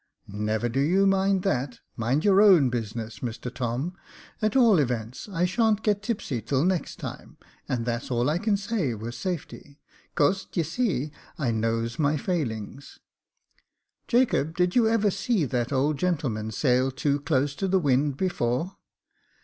"Never do you mind that — mind your own business, Mr Tom. At all events, I sha'n't get tipsy till next time, and that's all I can say with safety, 'cause, d'ye see, I knows my failing. Jacob, did you ever see that old gentleman sail too close to the wind before